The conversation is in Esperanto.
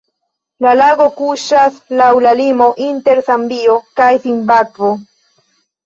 La lago kuŝas laŭ la limo inter Zambio kaj Zimbabvo.